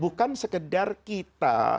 bukan sekedar kita